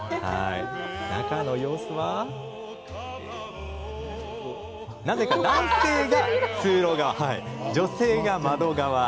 中の様子はなぜか男性が通路側、女性が窓側。